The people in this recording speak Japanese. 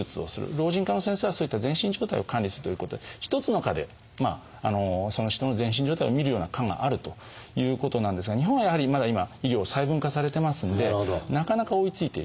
老人科の先生はそういった全身状態を管理するということで一つの科でその人の全身状態を診るような科があるということなんですが日本はやはりまだ今医療細分化されてますんでなかなか追いついていかない。